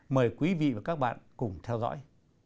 mời quý vị và các bạn cùng theo dõi